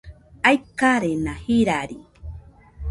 aikarena jirari